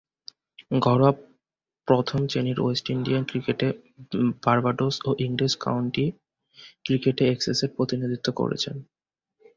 ঘরোয়া প্রথম-শ্রেণীর West Indian ক্রিকেটে বার্বাডোস ও ইংরেজ কাউন্টি ক্রিকেটে এসেক্সের প্রতিনিধিত্ব করেছেন।